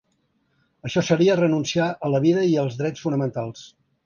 Això seria renunciar a la vida i als drets fonamentals.